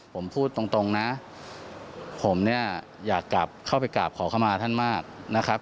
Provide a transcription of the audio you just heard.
ผมพูดตรงนะผมอยากเข้าไปกราบขอขมาท่านมากนะครับ